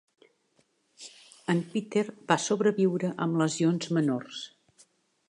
En Peter va sobreviure amb lesions menors.